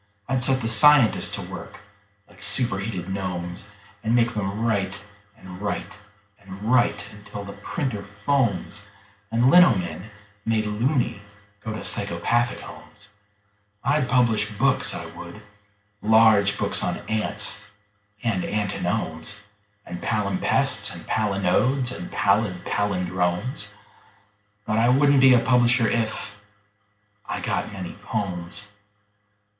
I'd set the scientists to work like superheated gnomes, And make them write and write and write until the printer foams And lino men, made "loony", go to psychopathic homes. I'd publish books, I would large books on ants and antinomes And palimpsests and palinodes and pallid pallindromes: But I wouldn't be a publisher if .... I got many "pomes."